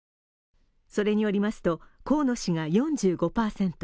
それによりますと、河野氏が４５％